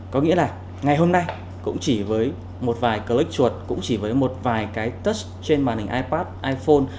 có nghĩa là ngày hôm nay cũng chỉ với một vài click chuột cũng chỉ với một vài cái tout trên màn hình ipad iphone